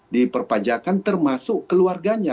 di perpajakan termasuk keluarganya